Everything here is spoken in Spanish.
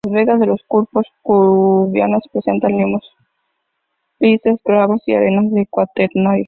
Las vegas de los cursos fluviales presentan limos grises, gravas y arenas del Cuaternario.